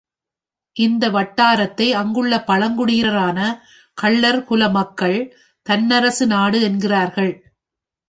இந்த வட்டாரத்தை அங்குள்ள பழங் குடியினரான கள்ளர்குல மக்கள் தன்னரசு நாடு என்கிறார்கள்.